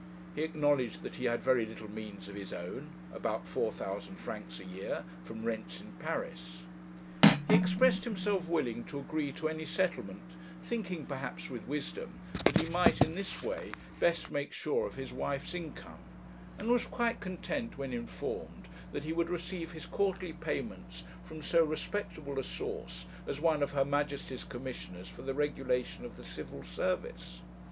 He acknowledged that he had very little means of his own about 4,000 francs a year, from rents in Paris. He expressed himself willing to agree to any settlement, thinking, perhaps with wisdom, that he might in this way best make sure of his wife's income, and was quite content when informed that he would receive his quarterly payments from so respectable a source as one of Her Majesty's Commissioners for the regulation of the Civil Service.